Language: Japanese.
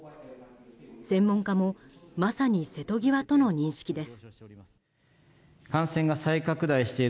専門家もまさに瀬戸際との認識です。